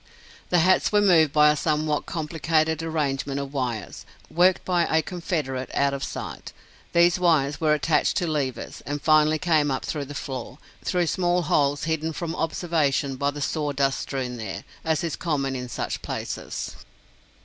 The hats were moved by a somewhat complicated arrangement of wires, worked by a confederate, out of sight. These wires were attached to levers, and finally came up through the floor, through small holes hidden from observation by the sawdust strewn there, as is common in such places.